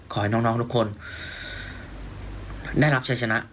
ขอให้น้องทุกคนได้รับชัยชนะ